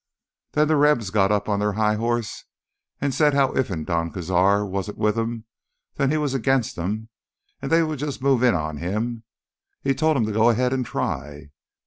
"Then th' Rebs got up on their high horse an' said as how iffen Don Cazar warn't with 'em, then he was agin 'em, an' they would jus' move in on him. He tol' 'em to go ahead an' try.